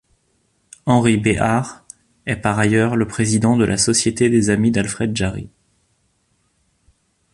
Henri Béhar est par ailleurs le président de la Société des Amis d’Alfred Jarry.